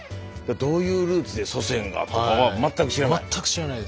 どういうルーツで祖先がとかは全く知らない？